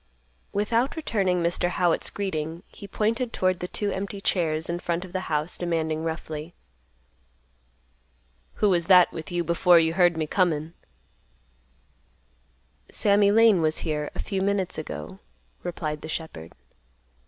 Without returning Mr. Howitt's greeting, he pointed toward the two empty chairs in front of the house, demanding roughly, "Who was that with you before you heard me comin'?" "Sammy Lane was here a few minutes ago," replied the shepherd.